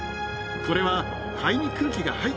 これは。